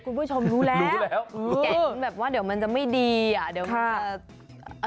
คุณผู้ชมรู้แล้วรู้แล้วอืมแก่นแบบว่าเดี๋ยวมันจะไม่ดีอ่ะเดี๋ยวมันจะอ่า